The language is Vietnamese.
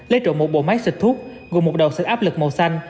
lấy trộm một bộ máy xịt thuốc gồm một đồ xịt áp lực màu xanh